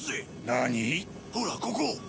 何⁉ほらここ！